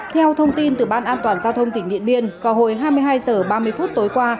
theo thông tin từ ban an toàn giao thông tỉnh điện biên vào hồi hai mươi hai h ba mươi phút tối qua